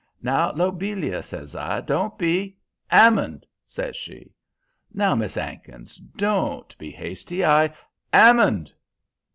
"'Now, Lobelia,' says I, 'don't be ' "''Ammond!' says she. "'Now, Miss 'Ankins, d o n't be hasty, I ' "''AMMOND!